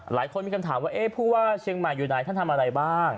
หลายคนมีคำถามว่าผู้ว่าเชียงใหม่อยู่ไหนท่านทำอะไรบ้าง